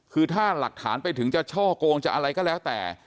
คือถ้าหลักฐานไปถึงจะช่อกงจะอะไรก็แล้วแต่